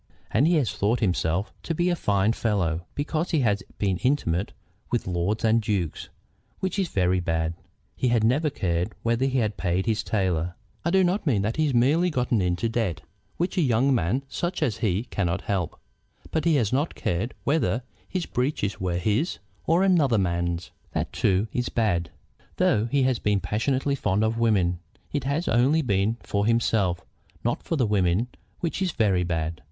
And he has thought himself to be a fine fellow because he has been intimate with lords and dukes, which is very bad. He has never cared whether he paid his tailor. I do not mean that he has merely got into debt, which a young man such as he cannot help; but he has not cared whether his breeches were his or another man's. That too is bad. Though he has been passionately fond of women, it has only been for himself, not for the women, which is very bad.